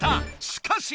しかし！